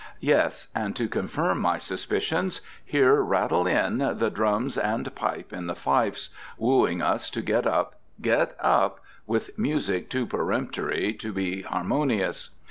Yes, and, to confirm my suspicions, here rattle in the drums and pipe in the fifes, wooing us to get up, get up, with music too peremptory to be harmonious.